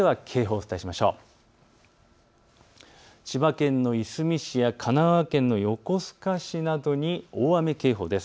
千葉県のいすみ市や神奈川県の横須賀市などに大雨警報です。